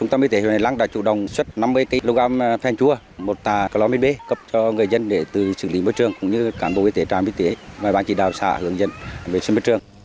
ngành y tế huyện hải lăng đã xuất hóa chất để diệt khuẩn và cử cán bộ về các địa phương trực tiếp hướng dẫn người dân xử lý nguồn nước